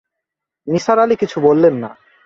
নিসার আলি কিছু বললেন না।